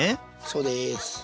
そうです。